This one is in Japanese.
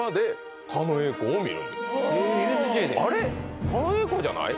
あれっ狩野英孝じゃない？